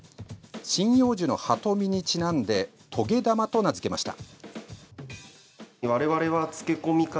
針葉樹の葉と実にちなんで棘玉と名付けました。